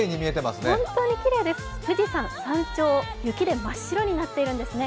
本当にきれいです、富士山山頂、雪で真っ白になってるんですね。